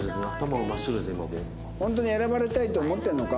ホントに選ばれたいと思ってるのか？